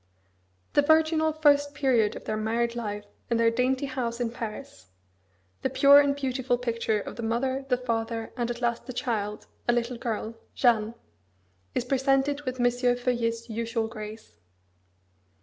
The virginal first period of their married life in their dainty house in Paris the pure and beautiful picture of the mother, the father, and at last the child, a little girl, Jeanne is presented with M. Feuillet's usual grace.